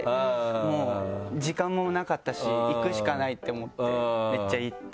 もう時間もなかったし行くしかないって思ってめっちゃ行って。